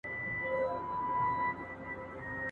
انګرېزان له چا سره جنګېدل؟